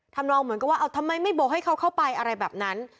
ทำนองเหมือนกับว่าเอาทำไมไม่โบกให้เขาเข้าไปอะไรแบบนั้น